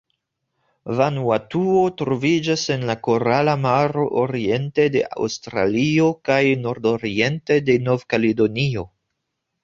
Vanuatuo troviĝas en la Korala Maro, oriente de Aŭstralio kaj nordoriente de Nov-Kaledonio.